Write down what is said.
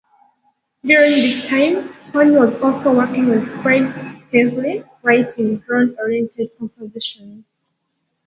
During this time, Horn was also working with Fred Teasley writing drone-oriented compositions.